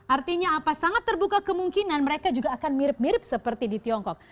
artinya apa sangat terbuka kemungkinan mereka juga akan mirip mirip seperti di tiongkok